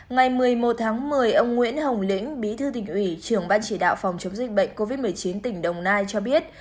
ngày một mươi một tháng một mươi ông nguyễn hồng lĩnh bí thư tỉnh ủy trưởng ban chỉ đạo phòng chống dịch bệnh covid một mươi chín tỉnh đồng nai cho biết